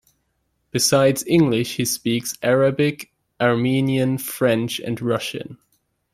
Besides English, he speaks Arabic, Armenian, French, and Russian.